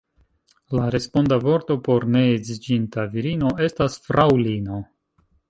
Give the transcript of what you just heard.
La responda vorto por ne edziĝinta virino estas fraŭlino.